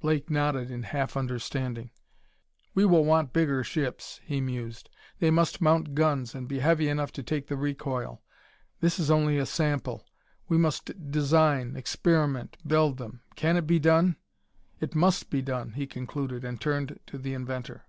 Blake nodded in half understanding. "We will want bigger ships," he mused. "They must mount guns and be heavy enough to take the recoil. This is only a sample; we must design, experiment, build them! Can it be done? ... It must be done!" he concluded and turned to the inventor.